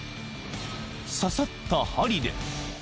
刺さった針で］